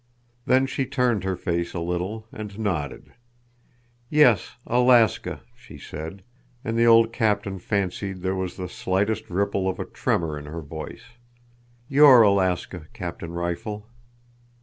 Then she turned her face a little and nodded. "Yes, Alaska," she said, and the old captain fancied there was the slightest ripple of a tremor in her voice. "Your Alaska, Captain Rifle."